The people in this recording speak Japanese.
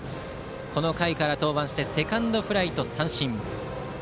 この回から登板してセカンドフライと三振。